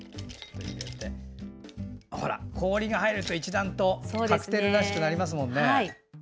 氷が入ると一段とカクテルらしくなりますね。